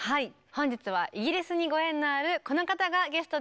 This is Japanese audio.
本日はイギリスにご縁のあるこの方がゲストです。